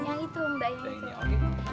yang itu mbak